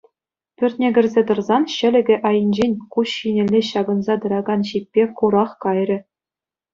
Пӳртне кӗрсе тӑрсан ҫӗлӗкӗ айӗнчен куҫ ҫинелле ҫакӑнса тӑракан ҫиппе курах кайрӗ.